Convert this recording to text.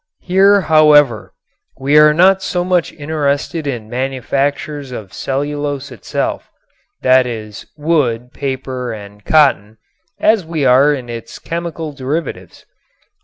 Here, however, we are not so much interested in manufactures of cellulose itself, that is, wood, paper and cotton, as we are in its chemical derivatives.